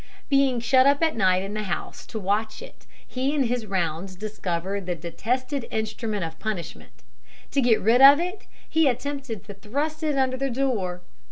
Being shut up at night in the house to watch it, he in his rounds discovered the detested instrument of punishment. To get rid of it, he attempted to thrust it under the door.